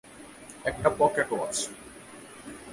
একটা pocket watch.